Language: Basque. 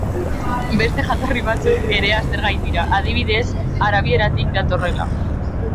Beste jatorri batzuk ere aztergai dira, adibidez arabieratik datorrela.